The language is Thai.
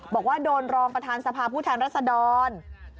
บอกว่าโดนรองประธานสภาผู้แทนรัศดร